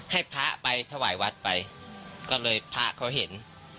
ให้พระไปถวายวัดไปก็เลยพระเขาเห็น